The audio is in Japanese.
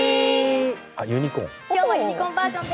あっ、ユニコーン。